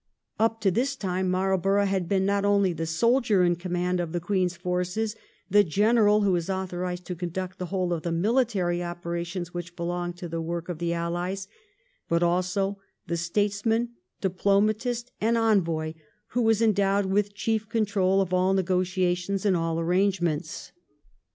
Up to this time Marlborough had been not only the soldier in command of the Queen's forces, the general who was authorised to conduct the whole of the military operations which belonged to the work of the AUies, but also the statesman, diplomatist, and envoy who was endowed with chief control of all negotiations and all arrangements.